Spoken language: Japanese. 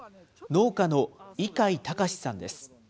農家の猪飼孝志さんです。